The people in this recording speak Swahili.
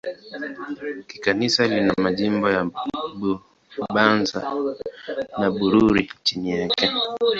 Kikanisa lina majimbo ya Bubanza na Bururi chini yake.